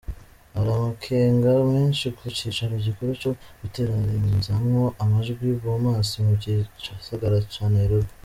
Hari amakenga menshi ku cicaro gikuru co guteranirizamwo amajwi Bomas mu gisagara ca Nairobi.